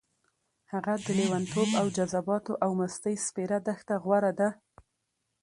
هغه د لېونتوب او جذباتو او مستۍ سپېره دښته غوره ده.